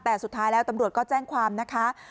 แต่สุดท้ายแล้วตำรวจก็แจ้งความนะคะ